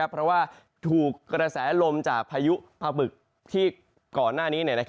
เพราะว่าถูกกระแสลมจากพายุปลาบึกที่ก่อนหน้านี้